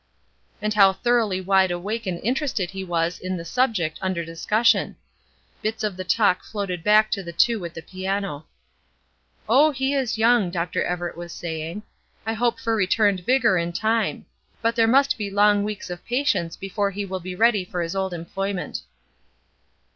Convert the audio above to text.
And how thoroughly wide awake and interested he was in the subject under discussion. Bits of the talk floated back to the two at the piano. "Oh, he is young," Dr. Everett was saying; "I hope for returned vigor in time; but there must be long weeks of patience before he will be ready for his old employment."